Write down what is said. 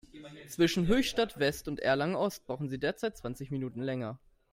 Zwischen Höchstadt-West und Erlangen-Ost brauchen Sie derzeit zwanzig Minuten länger.